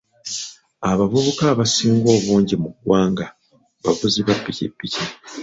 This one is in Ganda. Abavubuka abasinga obungi mu ggwanga bavuzi ba pikipiki.